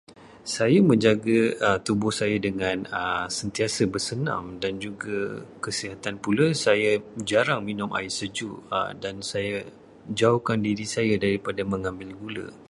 Saya menjaga tubuh saya dengan sentiasa bersenam dan juga kesihatan pula, saya jarang minum air sejuk dan saya jauhkan diri saya daripada mengambil gula.